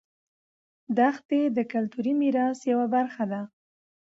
دښتې د کلتوري میراث یوه برخه ده.